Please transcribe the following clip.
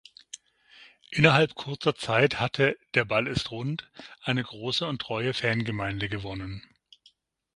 Innerhalb kurzer Zeit hatte "Der Ball ist rund" eine große und treue Fangemeinde gewonnen.